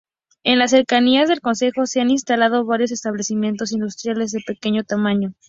En las cercanías del concejo se han instalado varios establecimientos industriales de pequeño tamaño.